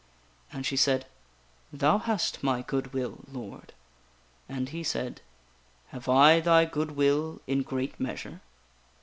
And she said :" Thou hast my good will, Lord." And he said: "Have I thy good will in great measure?"